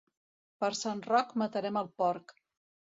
Per Sant Roc matarem el porc.